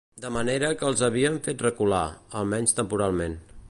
De manera que els havíem fet recular, almenys temporalment.